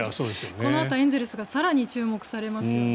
このあとエンゼルスが更に注目されますよね。